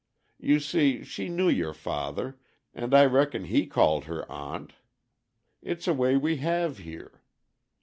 You see she knew your father, and I reckon he called her 'Aunt.' It's a way we have here.